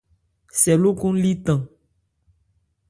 Sɛ lókɔn li tan.